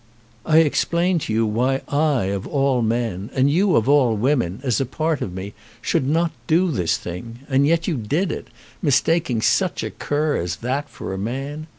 I explained to you why I, of all men, and you, of all women, as a part of me, should not do this thing; and yet you did it, mistaking such a cur as that for a man!